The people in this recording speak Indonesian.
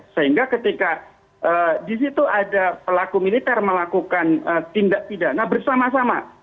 sehingga ketika di situ ada pelaku militer melakukan tindak pidana bersama sama